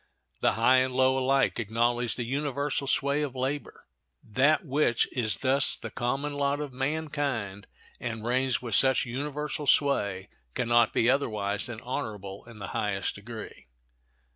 The high and low alike acknowledge the universal sway of labor. That which is thus the common lot of mankind and reigns with such universal sway can not be otherwise than honorable in the highest degree.